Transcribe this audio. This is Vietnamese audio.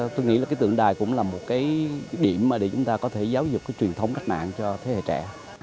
tôi nghĩ là cái tượng đài cũng là một cái điểm mà để chúng ta có thể giáo dục cái truyền thống cách mạng cho thế hệ trẻ